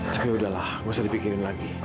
tapi udahlah nggak usah dipikirin lagi